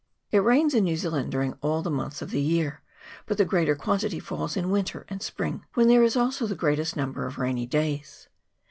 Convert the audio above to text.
It rains in New Zealand during all the months of the year, but the greater quantity falls in winter and spring, when there is also the greatest number of rainy days.